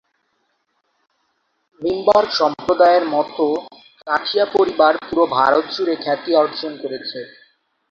নিম্বার্ক সম্প্রদায়ের মতো, "কাঠিয়া পরিবার" পুরো ভারত জুড়ে খ্যাতি অর্জন করেছে।